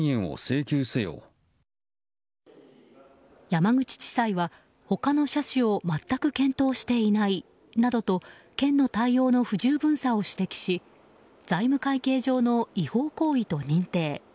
山口地裁は他の車種を全く検討していないなどと県の対応の不十分さを指摘し財務会計上の違法行為と認定。